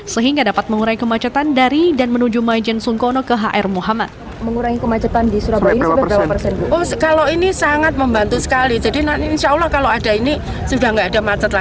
sehingga dapat mengurai kemacetan dari dan menuju maijen sungkono ke hr muhammad